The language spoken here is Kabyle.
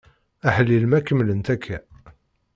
Aḥlil ma kemmlent akka!